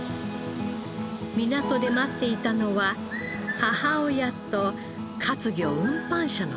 港で待っていたのは母親と活魚運搬車のドライバー。